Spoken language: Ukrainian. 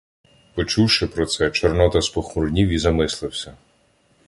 Почувши про це, Чорнота спохмурнів і замислився.